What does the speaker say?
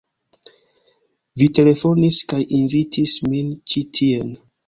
Vi telefonis kaj invitis min ĉi tien.